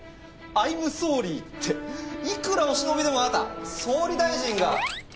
アイムソーリイっていくらお忍びでもあなた総理大臣が。